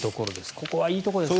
ここはいいところですね。